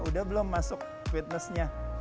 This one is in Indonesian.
udah belum masuk fitnessnya